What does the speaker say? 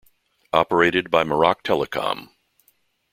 Operated by Maroc Telecom.